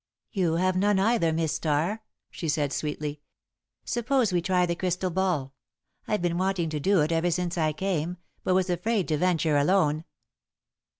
"You have none, either, Miss Starr," she said, sweetly. "Suppose we try the crystal ball? I've been wanting to do it ever since I came, but was afraid to venture, alone."